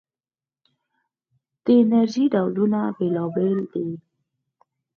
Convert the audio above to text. د انرژۍ ډولونه بېلابېل دي.